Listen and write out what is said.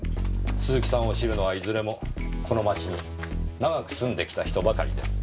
鈴木さんを知るのはいずれもこの町に長く住んできた人ばかりです。